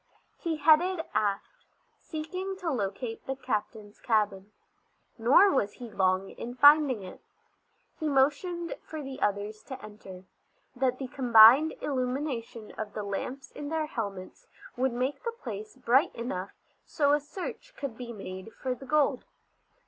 He headed aft, seeking to locate the captain's cabin. Nor was he long in finding it. He motioned for the others to enter, that the combined illumination of the lamps in their helmets would make the place bright enough so a search could be made for the gold.